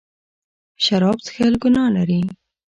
شراب څښل ګناه لري.